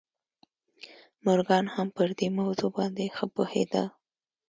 مورګان هم پر دې موضوع باندې ښه پوهېده